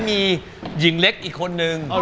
มีหญิงเล็กอีกคนนึง